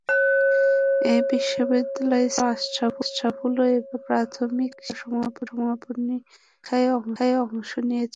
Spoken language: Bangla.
একই বিদ্যালয়ের ছাত্র আশরাফুলও এবার প্রাথমিক শিক্ষা সমাপনী পরীক্ষায় অংশ নিয়েছে।